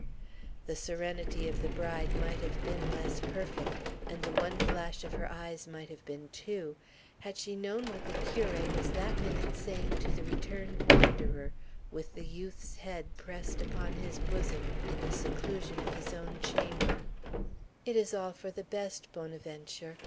The serenity of the bride might have been less perfect, and the one flash of her eyes might have been two, had she known what the curé was that minute saying to the returned wanderer, with the youth's head pressed upon his bosom, in the seclusion of his own chamber: "It is all for the best, Bonaventure.